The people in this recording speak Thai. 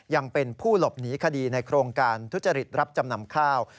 ยังเป็นผู้หลบหนีคดีในโครงการทุจริตรับจำนำข้าว